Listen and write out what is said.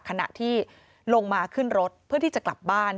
ขณะที่ลงมาขึ้นรถเพื่อที่จะกลับบ้าน